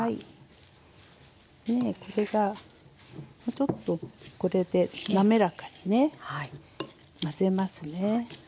ちょっとこれで滑らかにね混ぜますね。